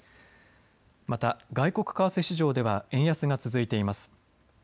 また外国為替市場では円安が続いています。